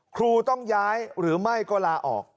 ครูต้องย้ายหรือไม่ก็ลาออก